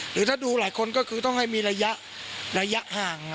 หรือถ้าดูหลายคนก็คือต้องให้มีระยะห่าง